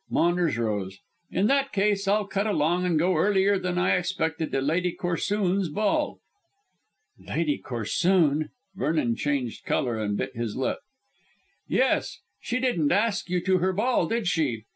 Maunders rose. "In that case I'll cut along and go earlier than I expected to Lady Corsoon's ball." "Lady Corsoon!" Vernon changed colour and bit his lip. "Yes. She didn't ask you to her ball, did she?